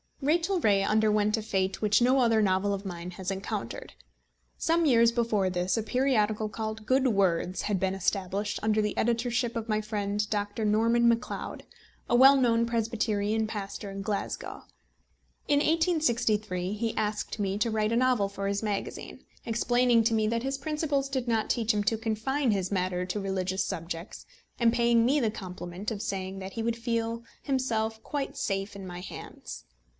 Rachel Ray underwent a fate which no other novel of mine has encountered. Some years before this a periodical called Good Words had been established under the editorship of my friend Dr. Norman Macleod, a well known Presbyterian pastor in Glasgow. In 1863 he asked me to write a novel for his magazine, explaining to me that his principles did not teach him to confine his matter to religious subjects, and paying me the compliment of saying that he would feel himself quite safe in my hands.